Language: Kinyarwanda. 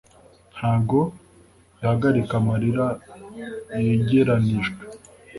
Ntabwo ihagarika amarira yegeranijwe